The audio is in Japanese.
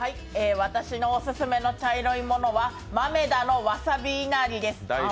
私のオススメの茶色いものは豆狸のわさびいなりです。